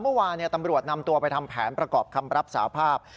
เมื่อวานตำรวจนำตัวไปทำแผนประกอบคำรับสาภาพ